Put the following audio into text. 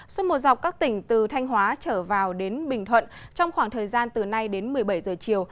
suốt một dọc các tỉnh từ thanh hóa trở vào đến bình thuận trong khoảng thời gian từ nay đến một mươi bảy giờ chiều